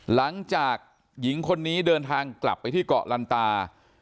หลังจากหญิงคนนี้เดินทางกลับไปที่เกาะลันตา